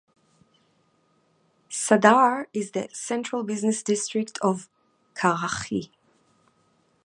Saddar is the central business district of Karachi.